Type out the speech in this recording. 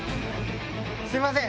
すいません。